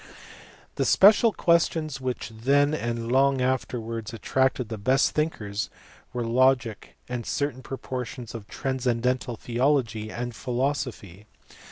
The special questions which then and long afterwards attracted the best thinkers were logic and certain portions of transcendental theology and philosophy.